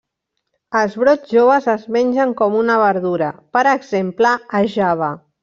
Els brots joves es mengen com una verdura, per exemple a Java.